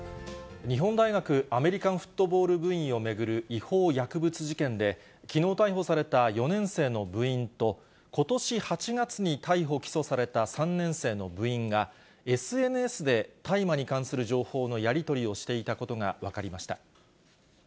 日本大学アメリカンフットボール部員を巡る違法薬物事件で、きのう逮捕された４年生の部員と、ことし８月に逮捕・起訴された３年生の部員が、ＳＮＳで大麻に関する情報のやり取りをしていたことが分かりました。